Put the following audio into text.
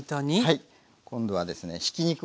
はい。